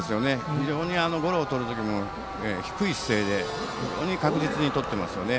非常にゴロをとる時も低い姿勢で確実にとっていますよね。